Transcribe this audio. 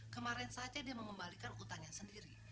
kemarin saja dia mengembalikan utangnya sendiri